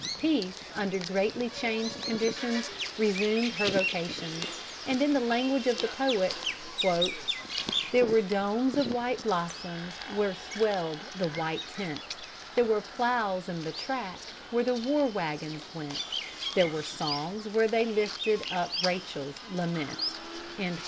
Peace under greatly changed conditions resumed her vocations, and, in the language of the poet, "There were domes of white blossoms where swelled the white tent; There were ploughs in the track where the war wagons went; There were songs where they lifted up Rachel's lament."